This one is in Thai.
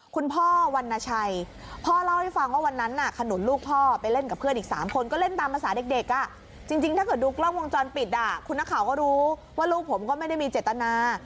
คุณพ่อวรรณชัยพ่อเล่าให้ฟังว่าวันนั้นขนุนลูกพ่อไปเล่นกับเพื่อนอีก๓คนก็เล่นตามภาษาเด็กจริงถ้าเกิดดูกล้องวงจรปิดคุณนักข่าวก็รู้ว่าลูกผมก็ไม่ได้มีเจตนา